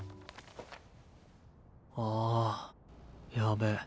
ああやべぇ。